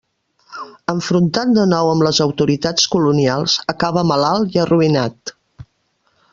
Enfrontat de nou amb les autoritats colonials, acaba malalt i arruïnat.